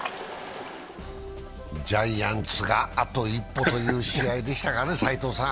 ジャイアンツがあと一歩という試合でしたかね。